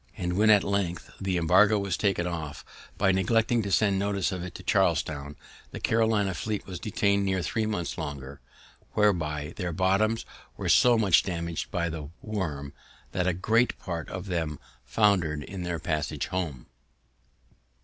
And, when at length the embargo was taken off, by neglecting to send notice of it to Charlestown, the Carolina fleet was detain'd near three months longer, whereby their bottoms were so much damaged by the worm that a great part of them foundered in their passage home.